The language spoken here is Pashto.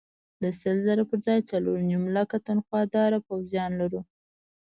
د سل زره پر ځای څلور نیم لکه تنخوادار پوځیان لرو.